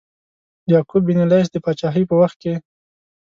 یعقوب بن لیث د پاچهۍ په وخت کې.